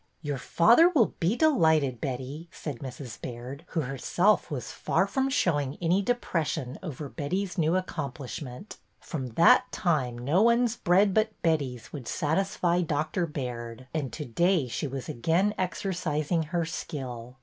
" Your father will be delighted, Betty," said UNCLE'' GOLDSTEIN 165 Mrs. Baird, who herself was far from showing any depression over Betty's new accomplishment From that time no one's bread but Betty's would satisfy Dr. Baird, and to day she was again exercising her skill.